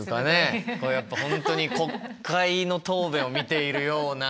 やっぱ本当に国会の答弁を見ているような。